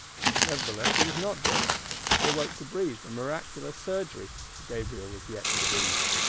Nevertheless he was not dead: he awoke to breathe, and miraculous surgery;—for Gabriel was yet to be.